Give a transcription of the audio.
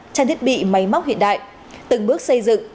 trang thiết bị máy móc hiện đại từng bước xây dựng